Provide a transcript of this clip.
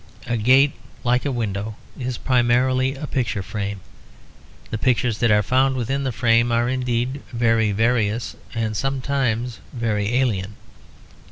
A gate, like a window, is primarily a picture frame. The pictures that are found within the frame are indeed very various and sometimes very alien.